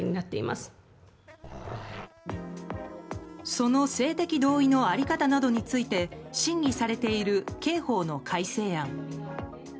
その性的同意の在り方などについて審議されている刑法の改正案。